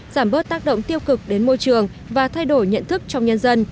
giảm bớt tác động tiêu cực đến môi trường và thay đổi nhận thức trong nhân dân